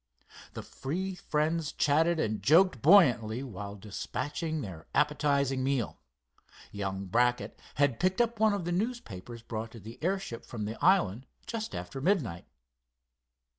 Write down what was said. The three friends chatted and joked buoyantly while dispatching their appetizing meal. Young Brackett had picked up one of the newspapers brought to the airship from the island just after midnight.